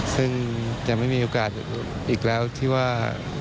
ซึ่งจะไม่มีโอกาสอีกแล้วที่ว่า